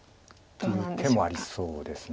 という手もありそうです。